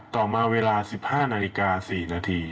ต่อมาเวลา๑๕นาฬิกา๔นาที